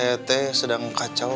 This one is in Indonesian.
nengorok saya teteh sedang kacau